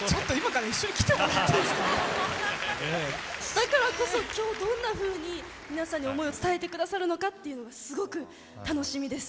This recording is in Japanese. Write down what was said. だからこそ今日どんなふうに皆さんに思いを伝えて下さるのかっていうのがすごく楽しみです。